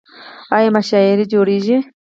آیا مشاعرې جوړیږي؟